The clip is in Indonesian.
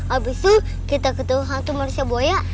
abis itu kita ketemu hantu marsha boya